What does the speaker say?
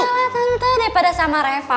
iya lah tante daripada sama reva